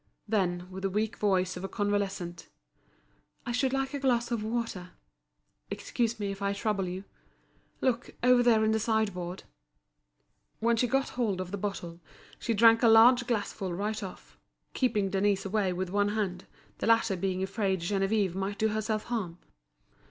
Then with the weak voice of a convalescent: "I should like a glass of water. Excuse me if I trouble you. Look, over there in the sideboard." When she got hold of the bottle, she drank a large glassful right off, keeping Denise away with one hand, the latter being afraid Geneviève might do herself harm.